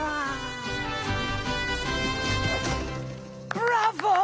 ブラボー！